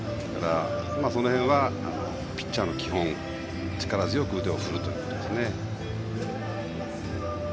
その辺は、ピッチャーの基本力強く腕を振るということですね。